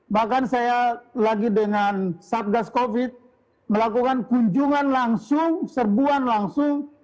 bahkan saya lagi dengan satgas covid melakukan kunjungan langsung serbuan langsung